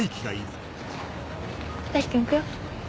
大樹君行くよ。